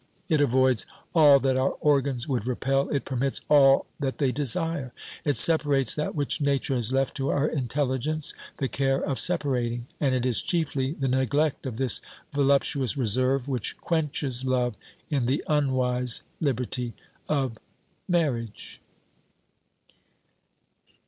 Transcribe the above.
It avoids all that our organs would repel, it permits all that they desire ; it separates that which Nature has left to our intelligence the care of separating, and it is chiefly the neglect of this voluptuous reserve which quenches love in the unwise liberty of marriage.